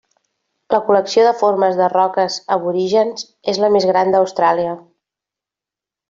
La col·lecció de formes de roques aborígens és la més gran d'Austràlia.